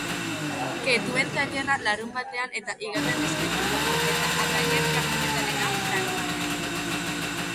Ketuen tailerra larunbatean eta igandean eskainiko da eta arrainen garbiketarena, larunbatean.